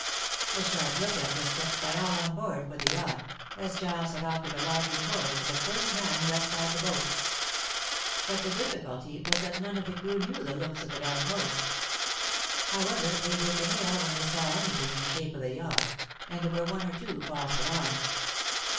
A sharp lookout was kept by all on board for the yacht, as Giles had offered a large reward for the first man who espied the boat. But the difficulty was that none of the crew knew the looks of The Dark Horse. However, they were to hail when they saw anything in the shape of a yacht, and there were one or two false alarms.